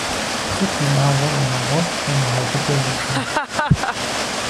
Сыт унагъуэр унагъуэфӏ, унагъуэ быдэ зыщӏыр?